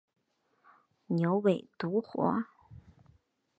牛尾独活